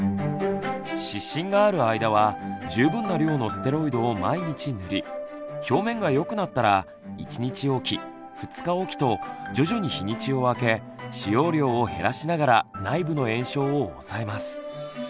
湿疹がある間は十分な量のステロイドを毎日塗り表面がよくなったら１日おき２日おきと徐々に日にちを空け使用量を減らしながら内部の炎症をおさえます。